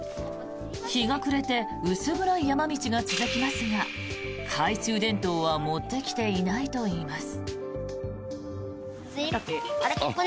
日が暮れて薄暗い山道が続きますが懐中電灯は持ってきていないといいます。